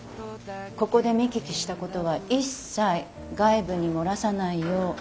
ここで見聞きしたことは一切外部に漏らさないようお願いしますね。